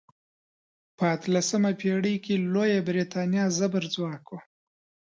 په اتلسمه پیړۍ کې لویه بریتانیا زبرځواک وه.